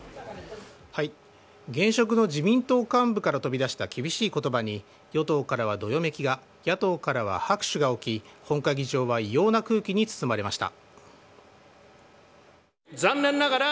現職の自民党幹部から飛び出した厳しい言葉に与党からはどよめきが野党からは拍手が起き本会議場は異様な空気に包まれました。